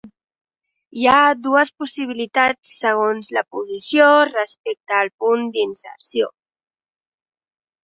Hi ha dues possibilitats segons la posició respecte al punt d'inserció.